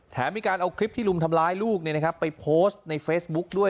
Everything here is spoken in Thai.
ทำให้การเอาคลิปที่รุ่มทำร้ายลูกเนี่ยนะครับไปโพสต์ในเฟซบุ๊คด้วย